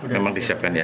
memang disiapkan ya